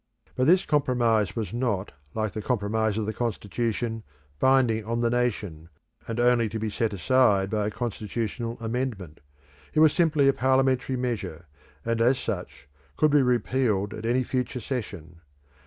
But this compromise was not, like the compromise of the constitution, binding on the nation, and only to be set aside by a constitutional amendment. It was simply a parliamentary measure, and as such could be repealed at any future session.